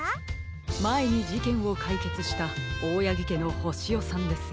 まえにじけんをかいけつしたオオヤギけのホシヨさんですよ。